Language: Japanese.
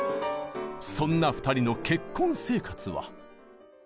そんな２人の結婚生活は。